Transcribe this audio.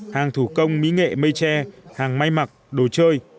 hàng thủ công mỹ nghệ mây tre hàng may mặc đồ chơi